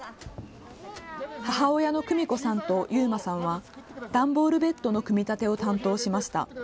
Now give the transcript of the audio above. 母親の久美子さんと勇馬さんは段ボールベッドの組み立てを担当しました。